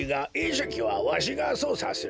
しゃきはわしがそうさする。